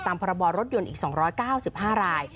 พรบรถยนต์อีก๒๙๕ราย